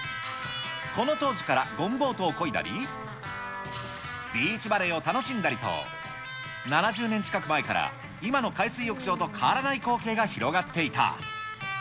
この当時からゴムボートをこいだり、ビーチバレーを楽しんだりと、７０年近く前から、今の海水浴場と変わらない光景が広がっていた。